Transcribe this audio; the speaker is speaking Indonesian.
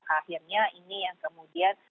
akhirnya ini yang kemudian